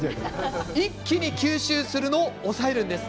一気に吸収するのを抑えるんです。